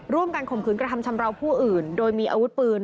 ข่มขืนกระทำชำราวผู้อื่นโดยมีอาวุธปืน